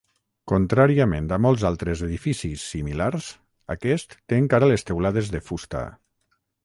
Contràriament a molts altres edificis similars, aquest té encara les teulades de fusta.